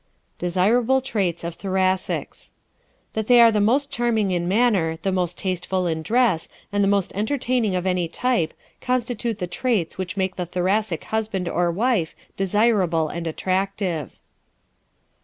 Desirable Traits of Thoracics ¶ That they are the most charming in manner, the most tasteful in dress and the most entertaining of any type constitute the traits which make the Thoracic husband or wife desirable and attractive.